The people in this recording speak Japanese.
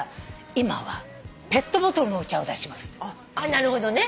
なるほどね。